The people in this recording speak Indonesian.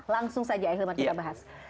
langsung saja ahilman kita bahas